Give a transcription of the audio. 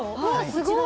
すごい。